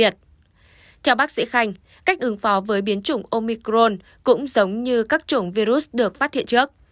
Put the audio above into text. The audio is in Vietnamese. theo bác sĩ khanh cách ứng phó với biến chủng omicron cũng giống như các chủng virus được phát hiện trước